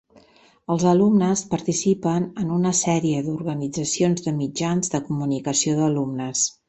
Els alumnes participen en una sèrie d'organitzacions de mitjans de comunicació d'alumnes.